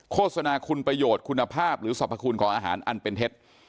โฆษณาคุณประโยชน์คุณภาพหรือสรรพคุณของอาหารอันเป็นเท็จ